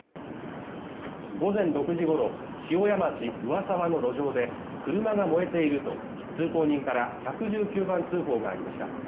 午前６時ごろ、塩屋町上沢の路上で車が燃えていると通行人から１１９番通報がありました。